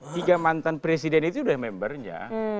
tiga mantan presiden itu sudah membernya